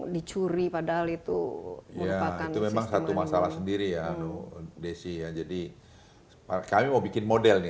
dicuri padahal itu ya itu memang satu masalah sendiri ya desi ya jadi kami mau bikin model nih